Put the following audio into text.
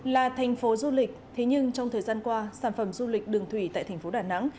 là thành phố du lịch thế nhưng trong thời gian qua sản phẩm du lịch đường thủy tại thành phố đà nẵng